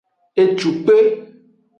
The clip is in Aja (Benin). Ecukpe.